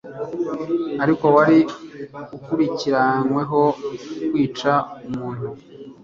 Ariko wari ukurikiranyweho kwica umuntu